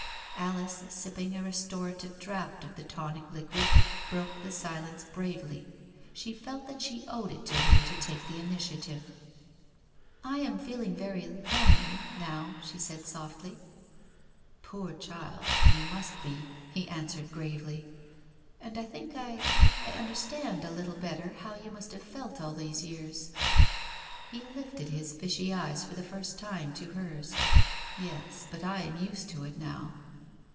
... Alice, sipping a restorative draught of the tonic liquid, broke the silence bravely. She felt that she owed it to him to take the initiative. Digitized by Google THE TELEGRAM 21 "I am feeling very lonely — now," she said softly. "Poor child, you must be," he answered gravely. "And I think I — I understand a little better how you must have felt all these years." He lifted his fishy eyes for the first time to hers. "Yes, but I am used to it, now."